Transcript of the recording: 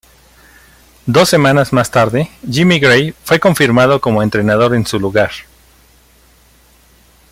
Dos semanas más tarde, Jimmy Gray fue confirmado como entrenador en su lugar.